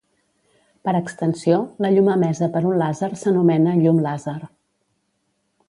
Per extensió, la llum emesa per un làser s'anomena llum làser.